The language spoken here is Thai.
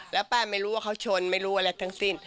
แล้วป้าไม่รู้ว่าเขาชนไม่รู้อะไรทั้งสิ้น